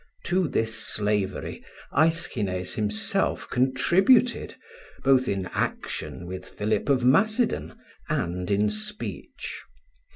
To this slavery Aeschines himself contributed, both in action with Philip of Macedon and in speech.